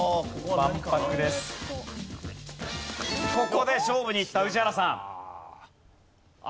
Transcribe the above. ここで勝負にいった宇治原さん。